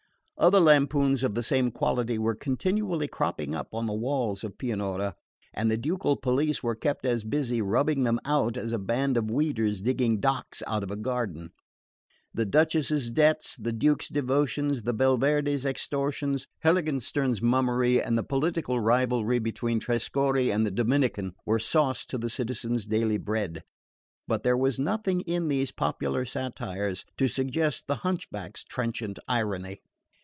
Other lampoons of the same quality were continually cropping up on the walls of Pianura, and the ducal police were kept as busy rubbing them out as a band of weeders digging docks out of a garden. The Duchess's debts, the Duke's devotions, the Belverde's extortions, Heiligenstern's mummery, and the political rivalry between Trescorre and the Dominican, were sauce to the citizen's daily bread; but there was nothing in these popular satires to suggest the hunchback's trenchant irony.